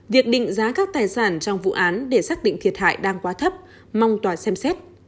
việc định giá các tài sản trong vụ án để xác định thiệt hại đang quá thấp mong tòa xem xét